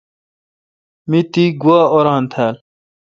می تی گوا اُوران تھال۔